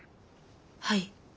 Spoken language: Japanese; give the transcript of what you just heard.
はい。